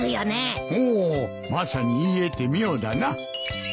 ああまさに言い得て妙だな。